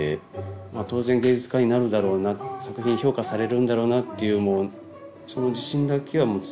まあ当然芸術家になるだろうな作品評価されるんだろうなっていうその自信だけは常にあって。